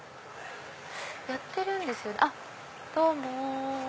やってるんですよねあっどうも。